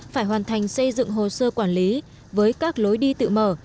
phải hoàn thành xây dựng hồ sơ quản lý với các lối đi tự mở